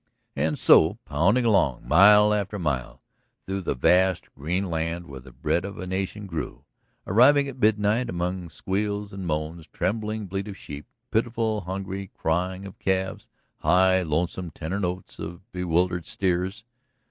And so, pounding along, mile after mile through the vast green land where the bread of a nation grew, arriving at midnight among squeals and moans, trembling bleat of sheep, pitiful, hungry crying of calves, high, lonesome tenor notes of bewildered steers.